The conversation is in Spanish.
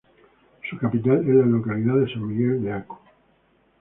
Su capital es la localidad de San Miguel de Aco.